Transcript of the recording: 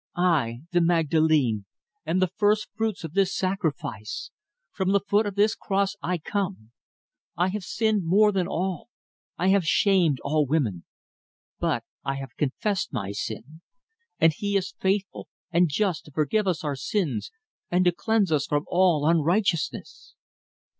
"I, the Magdalene, am the first fruits of this sacrifice: from the foot of the cross I come. I have sinned more than all. I have shamed all women. But I have confessed my sin, and He is faithful and just to forgive us our sins and to cleanse us from all unrighteousness."